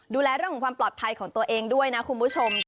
ดูแลเรื่องของความปลอดภัยของตัวเองด้วยนะคุณผู้ชม